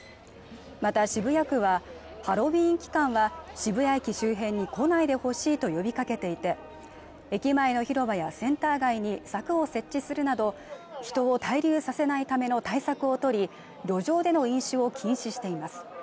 また渋谷区はハロウィーン期間は渋谷駅周辺に来ないでほしいと呼びかけていて駅前の広場やセンター街に柵を設置するなど人を滞留させないための対策を取り路上での飲酒を禁止しています